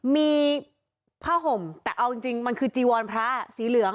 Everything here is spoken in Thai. มีผ้าห่มแต่เอาจริงมันคือจีวรพระสีเหลือง